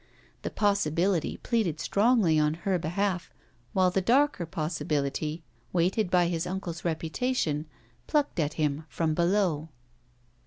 The possibility pleaded strongly on her behalf, while the darker possibility weighted by his uncle's reputation plucked at him from below.